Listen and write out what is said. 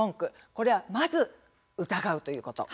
これはまず疑うということ。